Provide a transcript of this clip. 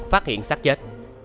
phát hiện sát chết